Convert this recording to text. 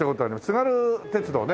津軽鉄道ね。